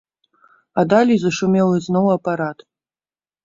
А далей зашумеў ізноў апарат.